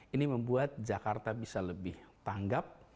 ini membuat jakarta bisa lebih tanggap